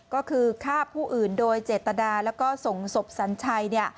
ก็คือฆ่าผู้อื่นโดยเจตนาแล้วก็ส่งศพสัญชัย